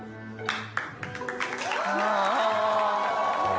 ああ。